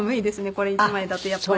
これ１枚だとやっぱり。